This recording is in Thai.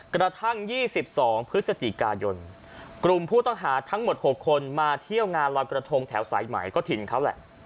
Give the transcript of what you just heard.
กระทั่ง๒๒พฤศจิกายนกลุ่มผู้ต้องหาทั้งหมด๖คนมาเที่ยวงานลอยกระทงแถวสายไหมก็ถิ่นเขาแหละ